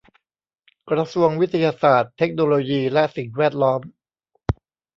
กระทรวงวิทยาศาสตร์ เทคโนโลยี และสิ่งแวดล้อม